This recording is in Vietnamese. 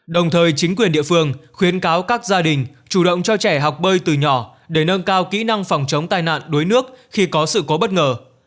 đồng thời chính quyền địa phương khuyến cáo các gia đình chủ động cho trẻ học bơi từ nhỏ để nâng cao kỹ năng phòng chống tai nạn đuối nước khi có sự cố bất ngờ